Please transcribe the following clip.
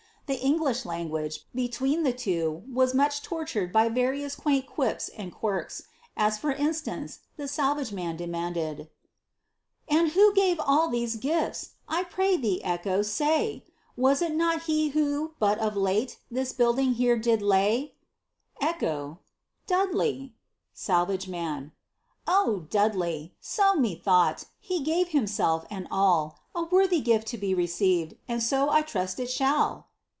The English language, between the two, was much tortured by various quaint qups and quirks, as for instance, the salvage man demanded — "And who gare all tliese gifts 1 I pray thee, Echo, say,— Was it not he who (bat of late) this building here did lay f Zdbo.— Dudley. SalMgr Jfaii. ^, Dudley I So methoiigbt ; he gave himself^ and all, A worthy gift to be received, and so I trust it shall.